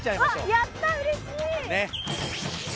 やったうれしい！